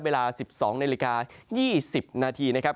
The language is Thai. เวลา๑๒นาฬิกา๒๐นาทีนะครับ